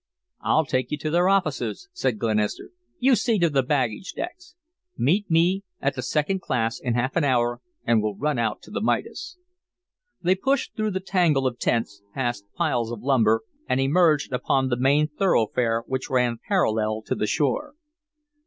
"I'll take you to their offices," said Glenister. "You see to the baggage, Dex. Meet me at the Second Class in half an hour and we'll run out to the Midas." They pushed through the tangle of tents, past piles of lumber, and emerged upon the main thoroughfare, which ran parallel to the shore.